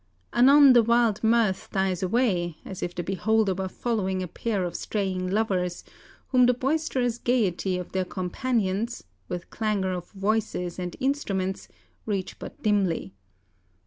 Anon the wild mirth dies away, as if the beholder were following a pair of straying lovers, whom the boisterous gaiety of their companions, with clangor of voices and instruments, reach but dimly.